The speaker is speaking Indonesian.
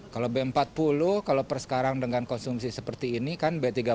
kalau b empat puluh kalau persekarang dengan konsumsi seperti ini kan b tiga puluh sepuluh lima belas